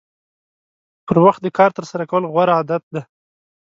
پر وخت د کار ترسره کول غوره عادت دی.